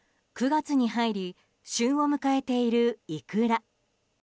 ９月に入り旬を迎えているイクラ。